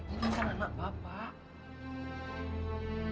ini kan anak bapak